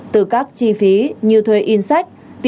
từ các chi phí như thuê in sách